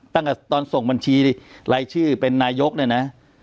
ตั้งแต่ตอนส่งบัญชีรายชื่อเป็นนายกเนี่ยนะ